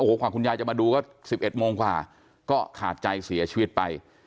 กว่าคุณยายจะมาดูก็๑๑โมงกว่าก็ขาดใจเสียชีวิตไป